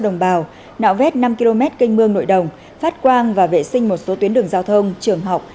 nạo vét năm km kênh mương nội đồng phát quang và vệ sinh một số tuyến đường giao thông trường học